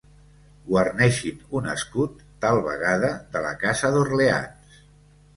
Guarneixin un escut, tal vegada de la casa d'Orleans.